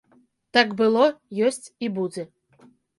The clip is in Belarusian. Так было, ёсць і будзе.